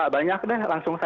ada yang di dalamnya